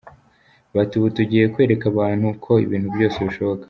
Bati ubu tugiye kwereka abantu ko ibintu byose bishoboka.